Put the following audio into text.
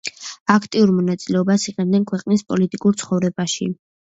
აქტიურ მონაწილეობას იღებდნენ ქვეყნის პოლიტიკურ ცხოვრებაში.